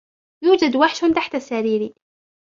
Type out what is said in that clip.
يوجد وحش تحت سريري.